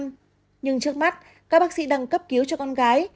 nhưng trước mắt các bác sĩ đang cấp cứu cho con gái